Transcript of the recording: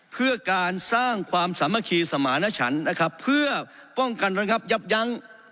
เพื่อการสร้างความสามัคคีสมาณฉันนะครับเพื่อป้องกันบังคับยับยั้ง